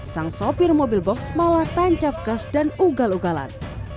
sang sopir mobil box malah tancap gas dan ugal ugalan